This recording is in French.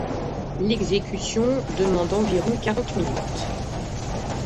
L'exécution demande environ quarante minutes.